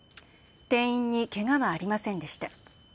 店員にけがはありませんでした。